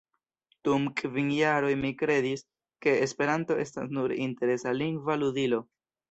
Dum kvin jaroj mi kredis, ke Esperanto estas nur interesa lingva ludilo.